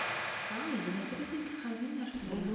Yuba yebna tlata n yixxamen ar tura.